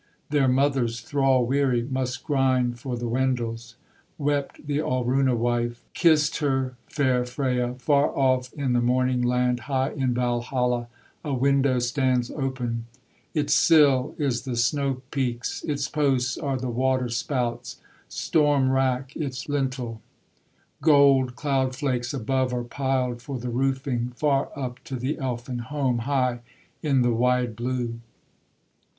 Their mothers, thrall weary, Must grind for the Wendels.' Wept the Alruna wife; Kissed her fair Freya: 'Far off in the morning land, High in Valhalla, A window stands open; Its sill is the snow peaks, Its posts are the waterspouts, Storm rack its lintel; Gold cloud flakes above Are piled for the roofing, Far up to the Elfin home, High in the wide blue.